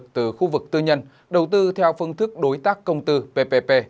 từ khu vực tư nhân đầu tư theo phương thức đối tác công tư ppp